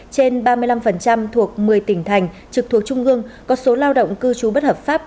trên ba mươi năm thuộc một mươi tỉnh thành trực thuộc trung ương có số lao động cư trú bất hợp pháp